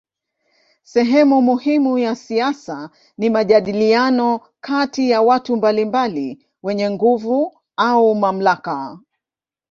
Sehemu muhimu ya siasa ni majadiliano kati ya watu mbalimbali wenye nguvu au mamlaka.